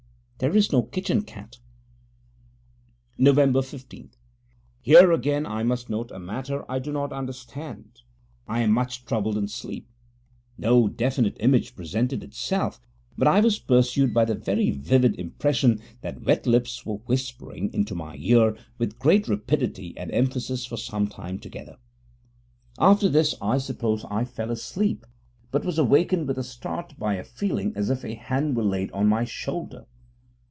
There is no kitchen cat. Nov. 15 Here again I must note a matter I do not understand. I am much troubled in sleep. No definite image presented itself, but I was pursued by the very vivid impression that wet lips were whispering into my ear with great rapidity and emphasis for some time together. After this, I suppose, I fell asleep, but was awakened with a start by a feeling as if a hand were laid on my shoulder.